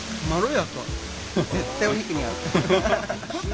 絶対お肉に合う。